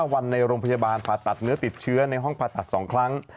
วันในโรงพยาบาลผ่าตัดเนื้อติดเชื้อในห้องผ่าตัด๒ครั้ง